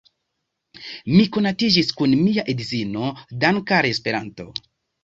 Mi konatiĝis kun mia edzino dankʼ al Esperanto.